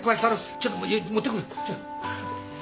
ちょっと持ってくる。